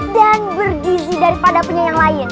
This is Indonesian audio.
dan berdizi daripada punya yang lain